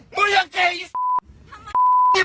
มึงยังเก่ง